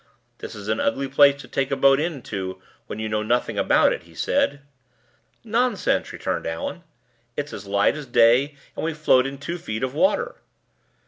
"This is an ugly place to take a boat into when you know nothing about it," he said. "Nonsense!" returned Allan. "It's as light as day, and we float in two feet of water."